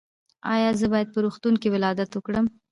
ایا زه باید په روغتون کې ولادت وکړم؟